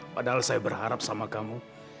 padahal saya berharap sama kamu